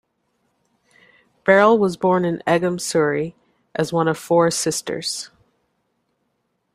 Beryl was born in Egham, Surrey, as one of four sisters.